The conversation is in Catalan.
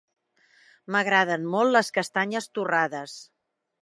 M'agraden molt les castanyes torrades.